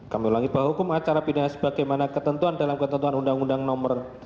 kami ulangi bahwa hukum acara pidana sebagaimana ketentuan dalam ketentuan undang undang nomor dua